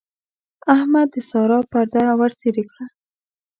احمد د سارا پرده ورڅېرې کړه.